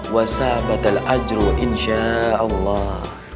wa sahabatil ajru insya'allah